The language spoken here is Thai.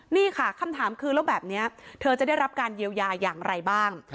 นี่ค่ะคำถามคือแล้วแบบนี้เธอจะได้รับการเยียวยาอย่างไรบ้าง